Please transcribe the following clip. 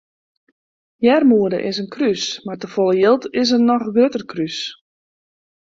Earmoede is in krús mar te folle jild is in noch grutter krús.